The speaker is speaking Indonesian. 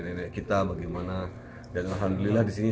kami tertutupan itu sudah di langkasi tajam hari ini